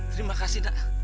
terima kasih nak